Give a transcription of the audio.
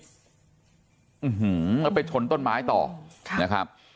อื้อหือแล้วไปชนต้นไม้ต่อนะครับ